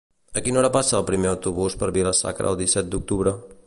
A quina hora passa el primer autobús per Vila-sacra el disset d'octubre?